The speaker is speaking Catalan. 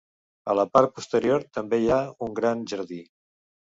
A la part posterior també hi ha un gran jardí.